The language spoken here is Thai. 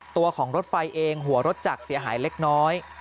ตัวของรถไฟเองหัวรถจักรเสียหายเล็กน้อย